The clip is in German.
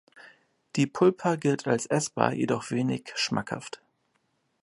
Die Pulpa gilt als essbar, jedoch wenig schmackhaft.